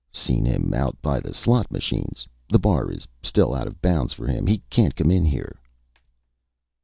"Seen him out by the slot machines. The bar is still out of bounds for him. He can't come in here."